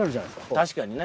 確かにね。